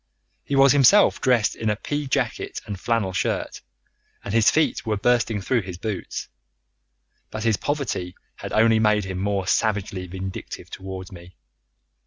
He was himself dressed in a pea jacket and flannel shirt, and his feet were bursting through his boots. But his poverty had only made him more savagely vindictive towards me.